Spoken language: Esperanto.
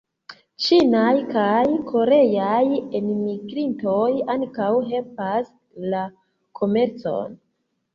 Ĉinaj kaj koreaj enmigrintoj ankaŭ helpas la komercon.